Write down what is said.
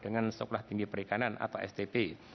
dengan sekolah tinggi perikanan atau stp